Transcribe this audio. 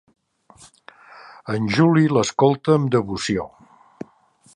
El Juli l'escolta amb devoció.